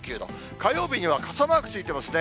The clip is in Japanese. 火曜日には傘マークついてますね。